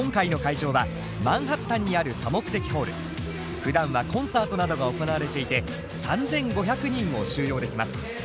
ふだんはコンサートなどが行われていて３，５００人を収容できます。